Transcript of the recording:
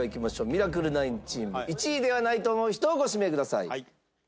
ミラクル９チーム１位ではないと思う人をご指名ください。